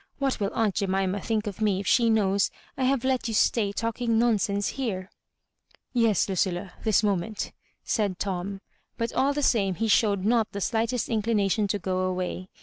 What will aunt Jemima think of me if she knows I have let you stay talking nonsense here ?" "Yes, Ludlla — ^this moment," said Tom; but all the same he showed not the slightest inclina tion to go away.